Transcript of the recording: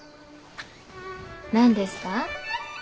何ですか？